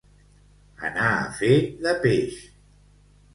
Anar a fer de peix.